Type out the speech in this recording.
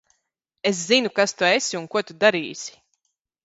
Es zinu, kas tu esi un ko tu darīsi.